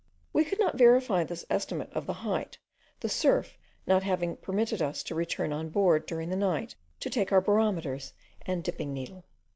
We could not verify this estimate of the height, the surf not having permitted us to return on board during the night, to take our barometers and dipping needle.